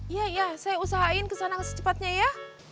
iya iya saya usahain kesana secepatnya ya